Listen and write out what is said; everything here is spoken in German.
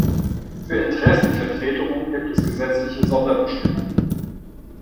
Für Interessenvertretungen gibt es gesetzliche Sonderbestimmungen.